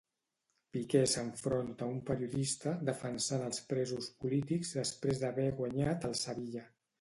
Piqué s'enfronta a un periodista defensant els presos polítics després d'haver guanyat el Sevilla.